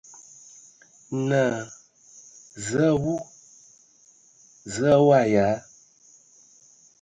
Naa: Zǝə a wu! Zǝə a waag ya ?